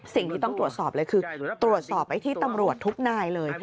สิ่งที่ต้องตรวจสอบเลยคือตรวจสอบไปที่ตำรวจทุกนายเลย